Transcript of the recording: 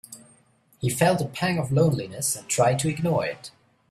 He felt a pang of loneliness and tried to ignore it.